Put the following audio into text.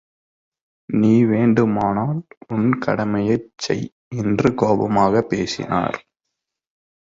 நீ வேண்டுமானால் உன் கடமையைச் செய் என்று கோபமாகப் பேசினார்.